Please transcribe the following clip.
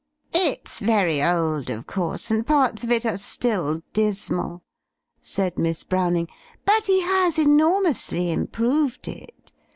"It's very old, of course, and parts of it are still dismal," said Miss Browning, "but he has enormously improved it.